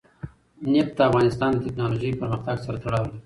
نفت د افغانستان د تکنالوژۍ پرمختګ سره تړاو لري.